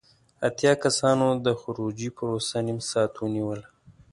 اتیا کسانو د خروجی پروسه نیم ساعت ونیوله.